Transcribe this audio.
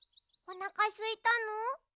おなかすいたの？